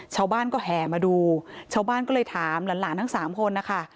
ชาวบ้านก็แห่มาดูชาวบ้านก็เลยถามหลานทั้งสามคนนะคะ